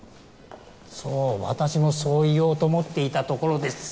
そう私もそう言おうと思っていたところです。